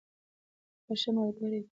هغه ښه ملګرې ده.